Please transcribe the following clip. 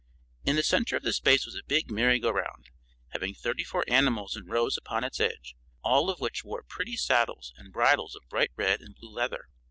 In the center of the space was a big merry go round, having thirty four animals in rows upon its edge, all of which wore pretty saddles and bridles of bright red and blue leather.